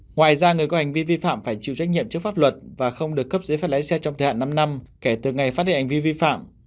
ngoài ra người có hành vi vi phạm phải chịu trách nhiệm trước pháp luật và không được cấp giấy phép lái xe trong thời hạn năm năm kể từ ngày phát hiện hành vi vi phạm